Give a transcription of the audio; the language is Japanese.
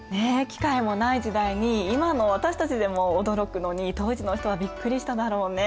機械もない時代に今の私たちでも驚くのに当時の人はびっくりしただろうね。